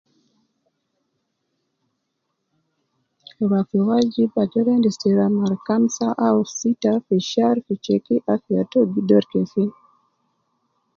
Rua fi wajib, ajol endis te rua mar kamsa au sita fi shar fi diktar fi checki afiya too gi dor kefin